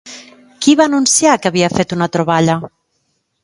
Qui va anunciar que havia fet una troballa?